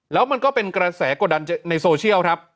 แล้วมันก็เป็นกระแสกว่าดันในโซเชียล